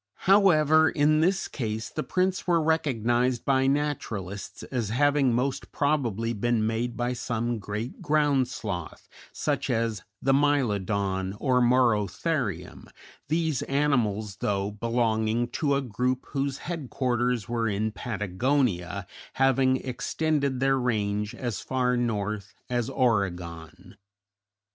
However, in this case the prints were recognized by naturalists as having most probably been made by some great ground sloth, such as the Mylodon or Morotherium, these animals, though belonging to a group whose headquarters were in Patagonia, having extended their range as far north as Oregon.